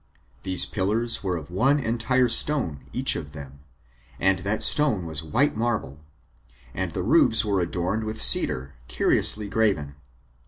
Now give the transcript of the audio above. These pillars were of one entire stone each of them, and that stone was white marble; and the roofs were adorned with cedar, curiously graven.